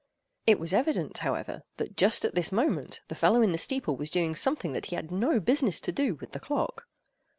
It was evident, however, that just at this moment the fellow in the steeple was doing something that he had no business to do with the clock.